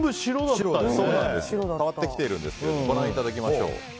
変わってきているんですけどもご覧いただきましょう。